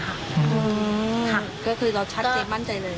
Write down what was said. ค่ะก็คือเราชัดเจนมั่นใจเลย